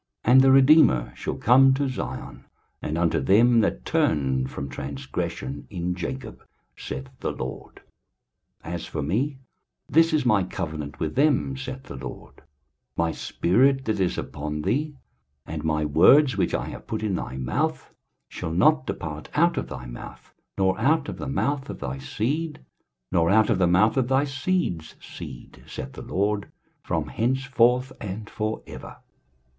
23:059:020 And the Redeemer shall come to Zion, and unto them that turn from transgression in Jacob, saith the LORD. 23:059:021 As for me, this is my covenant with them, saith the LORD; My spirit that is upon thee, and my words which I have put in thy mouth, shall not depart out of thy mouth, nor out of the mouth of thy seed, nor out of the mouth of thy seed's seed, saith the LORD, from henceforth and for ever.